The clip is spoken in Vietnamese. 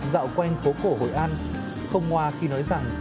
dạo quanh phố cổ hội an không ngoa khi nói rằng